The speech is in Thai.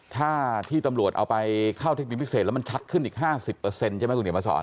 ถ้าที่ตำรวจเอาไปเข้าเทคนิคพิเศษแล้วมันชัดขึ้นอีก๕๐ใช่ไหมคุณเหนียวมาสอน